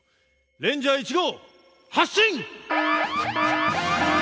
レンジャー１号発進！